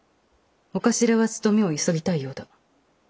お頭は仕事を急ぎたいようだ。